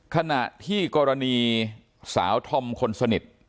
ขณะที่กรณีสาวธอมคนสนิท